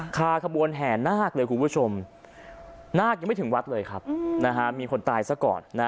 ขบวนแห่นาคเลยคุณผู้ชมนาคยังไม่ถึงวัดเลยครับมีคนตายซะก่อน